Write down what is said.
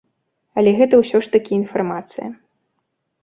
Але гэта ўсё ж такі інфармацыя.